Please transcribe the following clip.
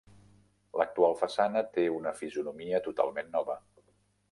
L'actual façana té una fisonomia totalment nova.